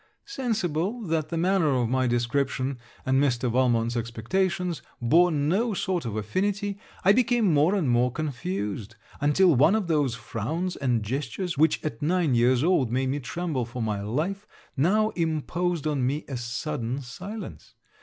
Sensible, that the manner of my description, and Mr. Valmont's expectations, bore no sort of affinity, I became more and more confused; until one of those frowns and gestures, which at nine years old made me tremble for my life, now imposed on me a sudden silence.